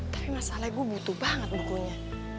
tapi masalahnya gue butuh banget bukunya